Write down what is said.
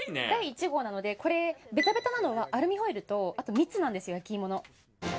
第１号なのでベタベタなのはアルミホイルとあと蜜なんです、焼き芋の。